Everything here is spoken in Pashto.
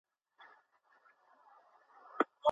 د رشيدانو ولسوالي د غزني ولایت له دویمه درجه ولسوالیو څخه ده.